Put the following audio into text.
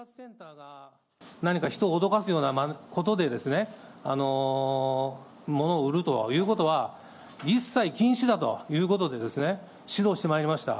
何か人を脅かすようなことで、物を売るとかいうことは一切禁止だということでですね、指導してまいりました。